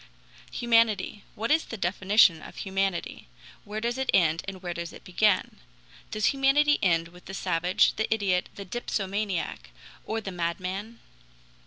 Humanity! Where is the definition of humanity? Where does it end and where does it begin? Does humanity end with the savage, the idiot, the dipsomaniac, or the madman?